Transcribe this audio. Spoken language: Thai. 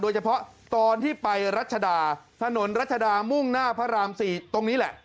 โดยเฉพาะตอนที่ไปรัชดาถนนรัชดามุ่งหน้าพระราม๔ตรงนี้แหละ